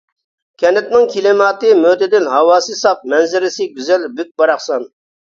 كەنتنىڭ كىلىماتى مۆتىدىل، ھاۋاسى ساپ، مەنزىرىسى گۈزەل، بۈك-باراقسان.